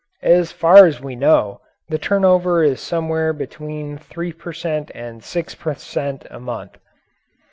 As far as we know the turnover is somewhere between 3 per cent. and 6 per cent. a month.